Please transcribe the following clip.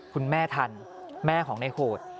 คุณแม่ทันแม่ของในโหด